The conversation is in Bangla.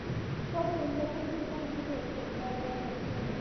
প্রতিদিন যে কোটি কোটি টাকা ক্ষতি হচ্ছে, এর দায়ভার কে নেবে।